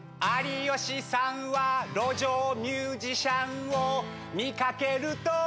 有吉さんは路上ミュージシャンを見掛けると